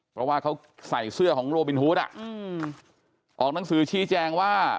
เพราะว่าเขาใส่เสื้อของโรบินฮูตออกหนังสือชี้แจงว่า